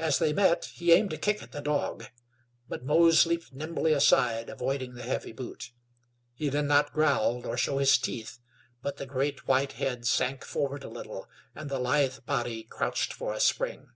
As they met he aimed a kick at the dog; but Mose leaped nimbly aside, avoiding the heavy boot. He did not growl, nor show his teeth; but the great white head sank forward a little, and the lithe body crouched for a spring.